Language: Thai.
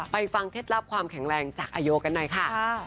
ฟังเคล็ดลับความแข็งแรงจากอาโยกันหน่อยค่ะ